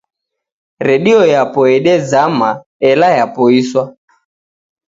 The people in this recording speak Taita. Redio yapo yedezama, ela yapoiswa.